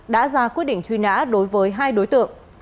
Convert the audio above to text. đã ra quyết định truy nã đối với hai đối tượng